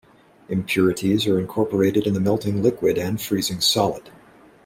Impurities are incorporated in the melting liquid and freezing solid.